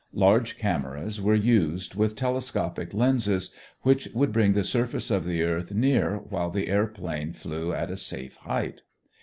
Large cameras were used with telescopic lenses which would bring the surface of the earth near while the airplane flew at a safe height.